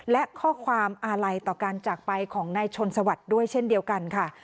และข้อความอาลัยต่อการจากไปของนายชนสวัสดิ์ด้วยเช่นเดียวกันค่ะ